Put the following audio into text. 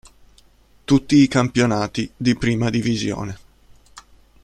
Tutti i campionati di prima divisione.